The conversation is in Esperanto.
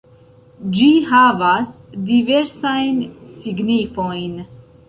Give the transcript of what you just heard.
Ĝi havas diversajn signifojn.